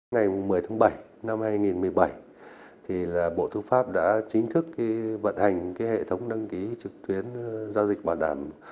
ngày một mươi tháng bảy năm hai nghìn một mươi bảy bộ tư pháp đã chính thức vận hành hệ thống đăng ký trực tuyến giao dịch bảo đảm